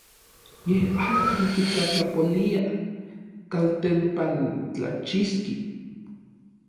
Yej n akin kitlatlapolia n kaltempantlachixki.